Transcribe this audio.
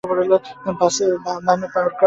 বামে পার্ক কর।